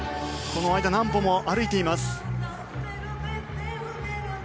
この間何歩も歩いています。